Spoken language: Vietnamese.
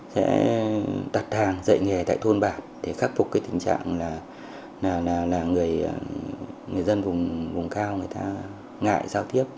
sẽ đặt hàng dạy nghề tại thôn bản để khắc phục cái tình trạng là người dân vùng cao người ta ngại giao tiếp